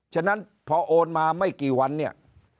ฉะนั้นพอโอนมาไม่กี่วันเนี่ย